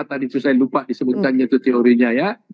tadi saya lupa disebutkan itu teorinya ya